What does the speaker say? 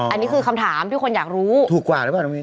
อันนี้คือคำถามที่คนอยากรู้ถูกกว่าหรือเปล่าน้องมิ